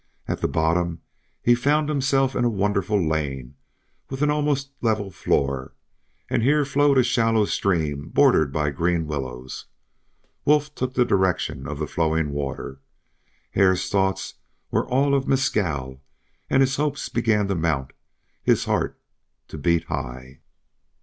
At the bottom he found himself in a wonderful lane with an almost level floor; here flowed a shallow stream bordered by green willows. Wolf took the direction of the flowing water. Hare's thoughts were all of Mescal, and his hopes began to mount, his heart to beat high.